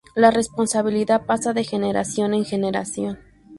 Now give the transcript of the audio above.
La responsabilidad pasa de generación en generación.